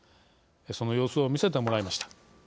その様子を見せてもらいました。